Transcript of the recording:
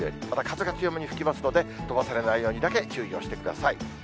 また風が強めに吹きますので、飛ばされないようにだけ注意をしてください。